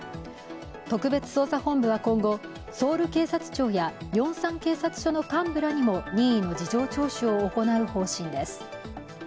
特別捜査本部は今後、ソウル警察庁やヨンサン警察署の幹部らにも任意の事情聴取を行う方針です。